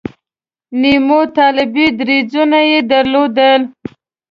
نیمو طالبي دریځونه یې درلودل.